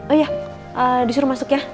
oh iya disuruh masuk ya